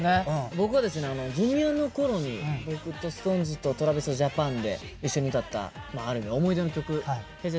僕はですねＪｒ．のころに僕とＳｉｘＴＯＮＥＳとＴｒａｖｉｓＪａｐａｎで一緒に歌ったある意味思い出の曲Ｈｅｙ！